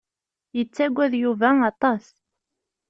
Yettagad Yuba aṭas.